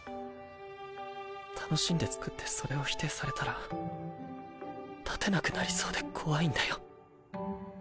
楽しんで作ってそれを否定されたら立てなくなりそうで怖いんだよ。